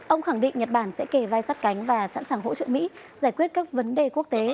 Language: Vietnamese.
ông khẳng định nhật bản sẽ kề vai sát cánh và sẵn sàng hỗ trợ mỹ giải quyết các vấn đề quốc tế